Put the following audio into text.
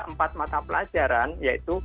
empat mata pelajaran yaitu